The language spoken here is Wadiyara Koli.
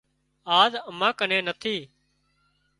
آز امان ڪنين نٿي